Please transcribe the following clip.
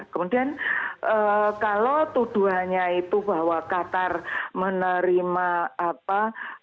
kemudian kalau tuduhannya itu bahwa qatar menerima apa